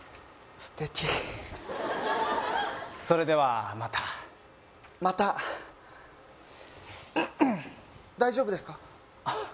素敵それではまたまた大丈夫ですか？